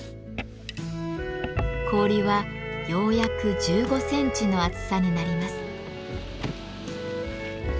氷はようやく１５センチの厚さになります。